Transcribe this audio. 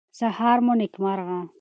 سهار مو نیکمرغه